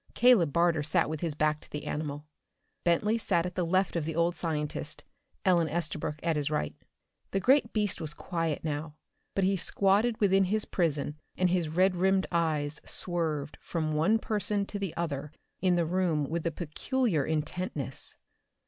Caleb Barter sat with his back to the animal. Bentley sat at the left of the old scientist, Ellen Estabrook at his right. The great beast was quiet now, but he squatted within his prison and his red rimmed eyes swerved from one person to the other in the room with a peculiar intentness.